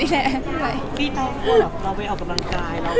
พี่เธอว่าเราไปออกกำลังกายแล้ว